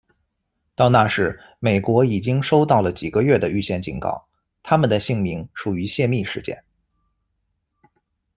到那时，美国已经收到了几个月的预先警告，他们的姓名属于泄密事件。